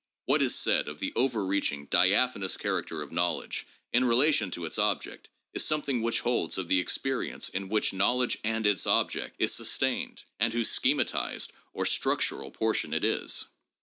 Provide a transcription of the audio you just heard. What is said of the overreaching, diaphanous character of knowledge in relation to i s object is something which holds of the experience in which knowledge and its object is sus tained, and whose schematized, or structural, portion it is.